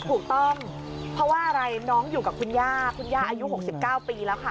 ถูกต้องเพราะว่าอะไรน้องอยู่กับคุณย่าคุณย่าอายุ๖๙ปีแล้วค่ะ